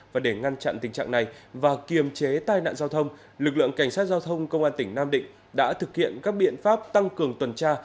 và để ngăn chặn tình trạng này và kiềm chế tai nạn giao thông lực lượng cảnh sát giao thông công an tỉnh nam định đã thực hiện các biện pháp tăng cường tuần tra